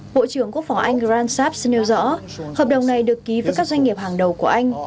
bộ trưởng quốc phòng anh grand shabs nêu rõ hợp đồng này được ký với các doanh nghiệp hàng đầu của anh